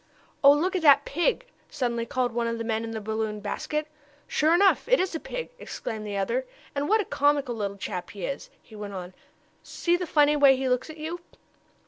"Oh, look at that pig!" suddenly called one of the men in the balloon basket. "Sure enough, it is a pig!" exclaimed the other. "And what a comical little chap he is!" he went on. "See the funny way he looks at you."